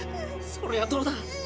それがどうだ。